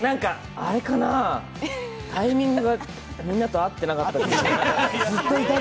あれかな、タイミングがみんなと合ってなかったのかな。